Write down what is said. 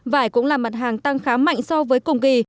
vải cũng là mặt hàng tăng khá mạnh so với cùng kỳ